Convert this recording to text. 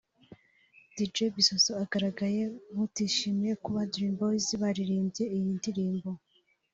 Dj Bissosso agaragaye nk’utishimiye kuba Dream Boyz baririmbye iyi ndirimbo